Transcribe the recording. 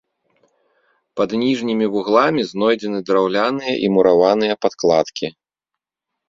Пад ніжнімі вугламі знойдзены драўляныя і мураваныя падкладкі.